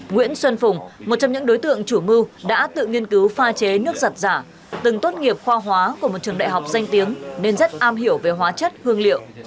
nguyễn xuân phùng một trong những đối tượng chủ mưu đã tự nghiên cứu pha chế nước giặt giả từng tốt nghiệp khoa hóa của một trường đại học danh tiếng nên rất am hiểu về hóa chất hương liệu